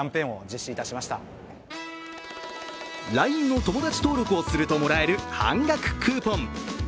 ＬＩＮＥの友達登録をするともらえる半額クーポン。